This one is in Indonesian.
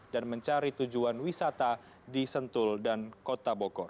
dan mencari tujuan wisata di sentul dan kota bokor